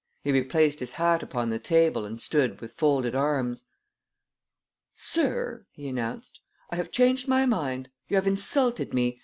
He replaced his hat upon the table and stood with folded arms. "Sir," he announced, "I have changed my mind. You have insulted me.